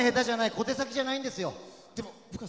小手先じゃないんですよ。